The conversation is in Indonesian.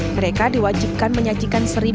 mereka juga mencari tempat untuk berbicara